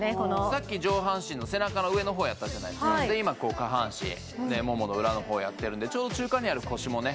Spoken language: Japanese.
さっき上半身の背中の上のほうやったじゃないですか今下半身ももの裏のほうやってるんでちょうど中間にある腰もね